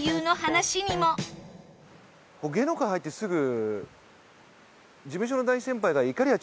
僕芸能界入ってすぐ。